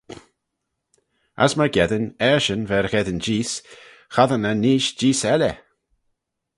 As myrgeddin eshyn v'er gheddyn jees, chossyn eh neesht jees elley.